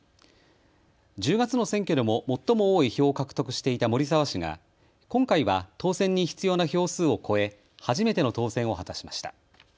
１０月の選挙でも最も多い票を獲得していた森澤氏が今回は当選に必要な票数を超え初めての当選を果たしました。